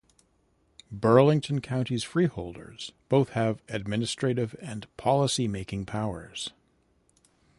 Burlington County's Freeholders have both administrative and policy making powers.